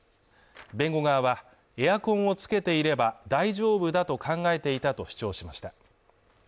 弁護側は、エアコンをつけていれば大丈夫だと考えていたと主張しました。